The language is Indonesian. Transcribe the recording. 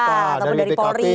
atau dari polri